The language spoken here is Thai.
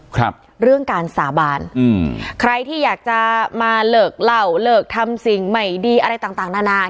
ครับเรื่องการสาบานอืมใครที่อยากจะมาเลิกเล่าเลิกทำสิ่งใหม่ดีอะไรต่างต่างนานา